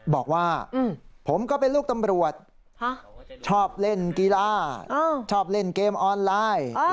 บอกว่าผมก็เป็นลูกตำรวจชอบเล่นกีฬาชอบเล่นเกมออนไลน์